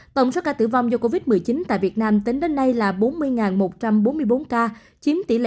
tổng số ca tử vong do covid một mươi chín tại việt nam tính đến nay là bốn mươi một trăm bốn mươi bốn ca chiếm tỷ lệ chín